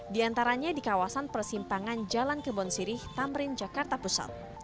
di antaranya di kawasan persimpangan jalan kebon sirih tamrin jakarta pusat